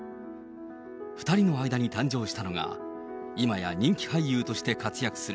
２人の間に誕生したのが、今や人気俳優として活躍する、